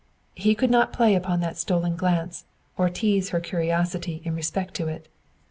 He could not play upon that stolen glance or tease her curiosity in respect to it.